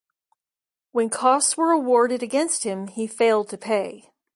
When costs were awarded against him he failed to pay.